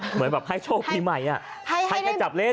เหมือนแบบให้โชคปีใหม่ให้ก็จับเล่น